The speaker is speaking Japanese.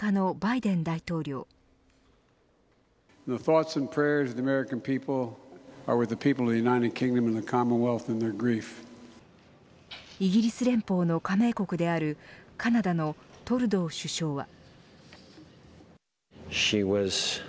イギリス連邦の加盟国であるカナダのトルドー首相は。